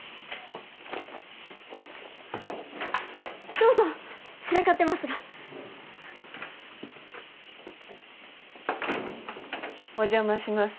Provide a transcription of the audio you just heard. どうぞちらかってますがお邪魔します